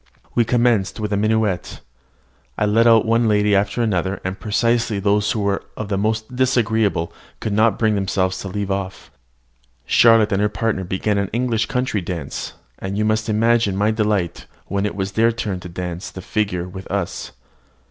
We commenced with a minuet. I led out one lady after another, and precisely those who were the most disagreeable could not bring themselves to leave off. Charlotte and her partner began an English country dance, and you must imagine my delight when it was their turn to dance the figure with us.